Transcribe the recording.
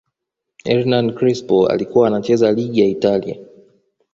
ernan Crespo alikuwa anacheza ligi ya Italia